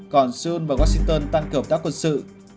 còn seoul và washington tăng cường tác quân sự